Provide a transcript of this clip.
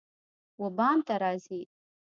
وبام ته راځی